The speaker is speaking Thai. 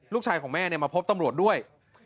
ลูกชายของแม่มาพบตำรวจด้วย